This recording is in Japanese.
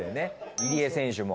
入江選手も。